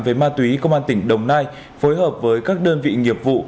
về ma túy công an tỉnh đồng nai phối hợp với các đơn vị nghiệp vụ